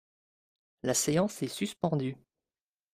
La séance est suspendue.